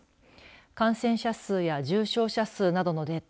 感染者数や重症者数などのデータ